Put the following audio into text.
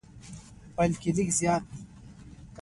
بلکې لږ زیات دي.